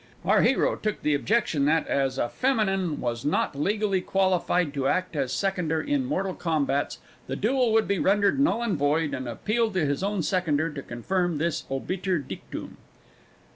Our hero took the objection that, as a feminine was not legally qualified to act as seconder in mortal combats, the duel would be rendered null and void, and appealed to his own seconder to confirm this obiter dictum.